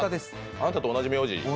あなたと同じ名字。